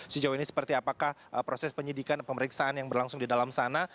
sejauh ini seperti apakah proses penyidikan pemeriksaan yang berlangsung di dalam sana